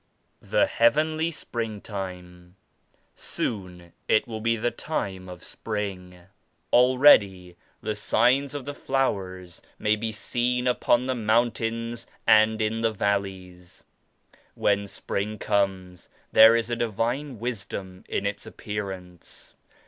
86 THE HEAVENLY SPRINGTIME. "Soon it will be the time of Spring. Already the signs of the flowers may be seen upon the mountains and in the valleys. When Spring comes there is a Divine Wisdom in its appear ance.